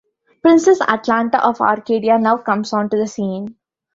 Princess Atalanta of Arcadia now comes on to the scene.